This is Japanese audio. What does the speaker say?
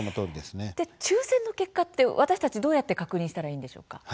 抽せんの結果、私たちはどうやって確認したらいいんでしょうか。